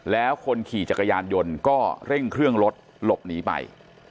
แล้วคนขี่จักรยานยนต์ก็เร่งเครื่องรถหลบหนีไป